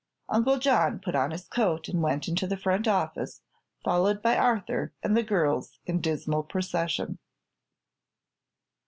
Uncle John put on his coat and went into the front office, followed by Arthur and the girls in dismal procession.